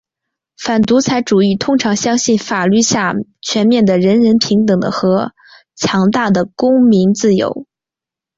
反独裁主义者通常相信法律下全面的人人平等的和强大的公民自由。